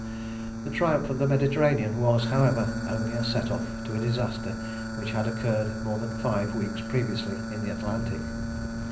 The triumph in the Mediterranean was, however, only a set off to a disaster which had occurred more than five weeks previously in the Atlantic.